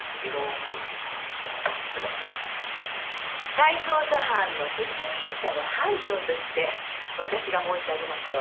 再捜査班の責任者の班長として私が申し上げましょう。